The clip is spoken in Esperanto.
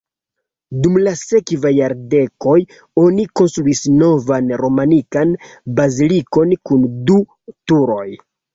Dum la sekvaj jardekoj oni konstruis novan romanikan bazilikon kun du turoj.